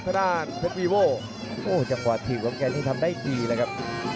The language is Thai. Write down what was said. ทางด้านเพชรวีโว่โอ้จังหวะถีบของแกนี่ทำได้ดีเลยครับ